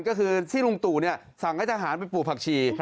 ก็คือที่ลุงตู่สั่งให้ทหารไปปลูกผักชี